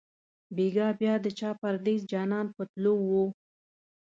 بیګا بیا د چا پردېس جانان په تلو وو